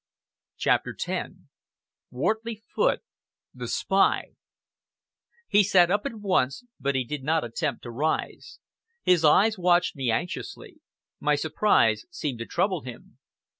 CHAPTER X "WORTLEY FOOTE THE SPY" He sat up at once, but he did not attempt to rise. His eyes watched me anxiously. My surprise seemed to trouble him.